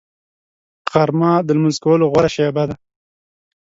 غرمه د لمونځ کولو غوره شېبه ده